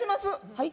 はい？